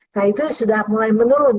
nah itu sudah mulai menurun